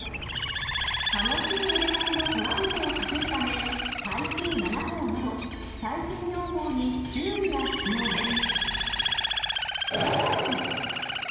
楽しいお出かけのトラブルを避けるため、台風７号など、最新情報に注意が必要です。